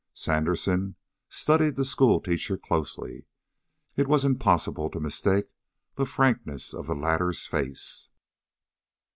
Sandersen studied the schoolteacher closely. It was impossible to mistake the frankness of the latter's face.